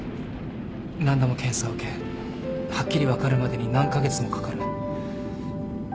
何度も検査を受けはっきり分かるまでに何カ月もかかる。